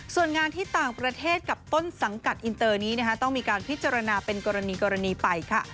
ส่วนงานที่ต่างประเทศกับต้นสังกัดอินเตอร์นี้ต้องมีการพิจารณาเป็นกรณีไปค่ะ